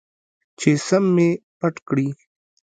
چې سم مې پټ کړي.